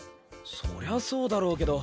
そりゃそうだろうけど。